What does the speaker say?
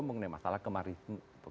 mengenai masalah kemaritiman